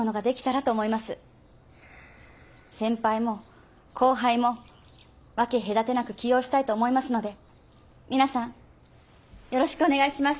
先輩も後輩も分け隔てなく起用したいと思いますので皆さんよろしくお願いします。